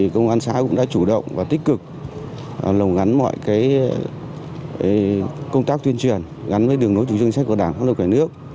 công an xã cũng đã chủ động và tích cực lồng gắn mọi công tác tuyên truyền gắn với đường đối thủ chính sách của đảng hln